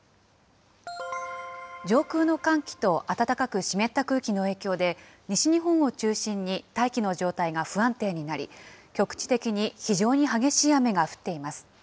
上空の寒気と暖かく湿った空気の影響で、西日本を中心に大気の状態が不安定になり、局地的に非常に激しい雨が降っています。